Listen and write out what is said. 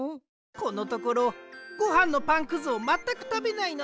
このところごはんのパンくずをまったくたべないのです。